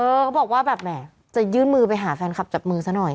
เขาบอกว่าแบบแหมจะยื่นมือไปหาแฟนคลับจับมือซะหน่อย